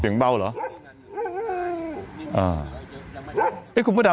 เสียงเบาเหรออ่าเอ๊ะคุณพระธรรม